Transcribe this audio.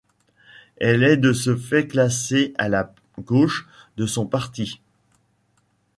Elle est de ce fait classée à la gauche de son parti.